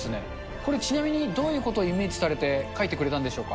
これちなみに、どういうことをイメージされて書いてくれたんでしょうか。